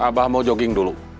abah mau jogging dulu